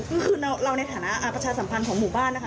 ก็คือเราในฐานะประชาสัมพันธ์ของหมู่บ้านนะคะ